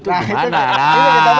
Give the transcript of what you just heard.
itu dimana lah